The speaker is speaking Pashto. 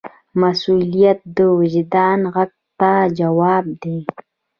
مسؤلیت د وجدان غږ ته ځواب دی.